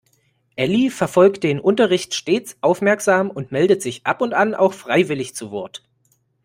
Elli verfolgt den Unterricht stets aufmerksam und meldet sich ab und an auch freiwillig zu Wort.